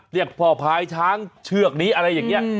เรียกพ่อพายช้างเชือกนี้อะไรอย่างนี้